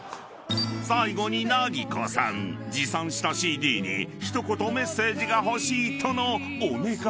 ［最後になぎこさん持参したＣＤに一言メッセージが欲しいとのお願い］